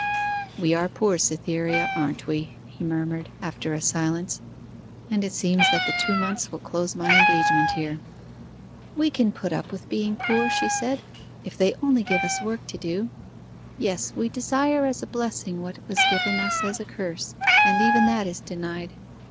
We are poor, Cytherea, aren't we?' he murmured, after a silence, 'and it seems that the two months will close my engagement here.' 'We can put up with being poor,' she said, 'if they only give us work to do.... Yes, we desire as a blessing what was given us as a curse, and even that is denied.